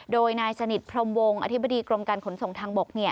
โดยนายสนิทพรมวงอธิบดีกรมการขนส่งทางบก